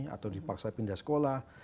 atau dipaksa pindah sekolah